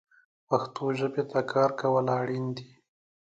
پښتو ژبې ته کار کول اړین دي